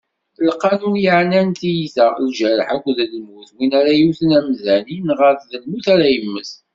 Lqanun yeɛnan tiyita, lǧerḥ akked lmut, win ara yewten amdan, inɣa-t, d lmut ara yemmet.